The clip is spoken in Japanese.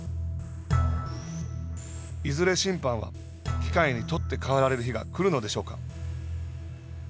いずれ審判は機械に取ってかわられる日が来るのでしょうか。